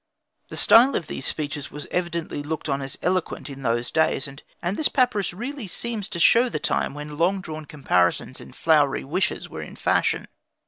The style of these speeches was evidently looked on as eloquent in those days, and this papyrus really seems to show the time when long drawn comparisons and flowery wishes were in fashion.